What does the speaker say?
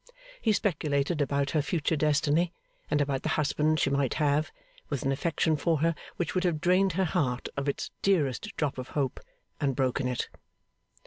He speculated about her future destiny, and about the husband she might have, with an affection for her which would have drained her heart of its dearest drop of hope, and broken it.